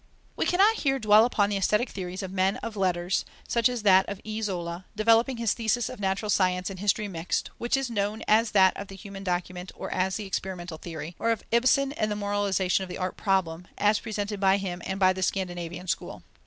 We cannot here dwell upon the aesthetic theories of men of letters, such as that of E. Zola, developing his thesis of natural science and history mixed, which is known as that of the human document or as the experimental theory, or of Ibsen and the moralization of the art problem, as presented by him and by the Scandinavian school.